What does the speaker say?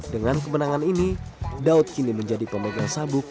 dengan kemenangan ini daud kini menjadi pemegang sabuk